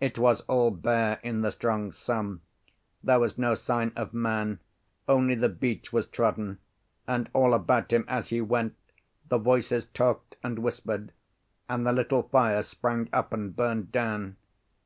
It was all bare in the strong sun; there was no sign of man, only the beach was trodden, and all about him as he went, the voices talked and whispered, and the little fires sprang up and burned down.